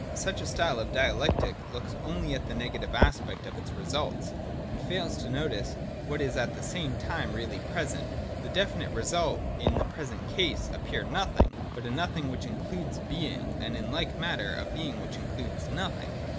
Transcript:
Such a style of dialectic looks only at the negative aspect of its result, and fails to notice, what is at the same time really present, the definite result, in the present case a pure nothing, but a Nothing which includes Being, and, in like manner, a Being which includes Nothing.